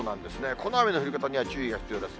この雨の降り方には注意が必要です。